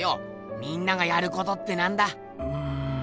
みんながやることってなんだ？